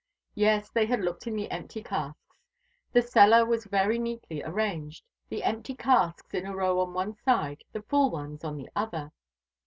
Yes, they had looked in the empty casks. The cellar was very neatly arranged, the empty casks in a row on one side, the full ones on the other.